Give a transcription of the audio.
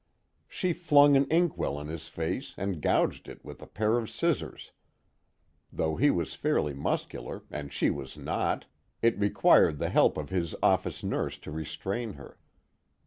She flung an inkwell in his face and gouged it with a pair of scissors; though he was fairly muscular and she was not, it required the help of his office nurse to restrain her.